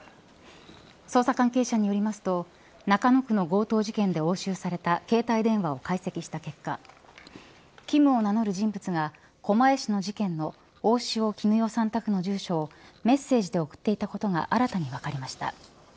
捜査関係者によりますと中野区の強盗事件で押収された携帯電話を解析した結果キムを名乗る人物が狛江市の事件の大塩衣与さん宅の住所をメッセージで送っていたことが新たに分かりました。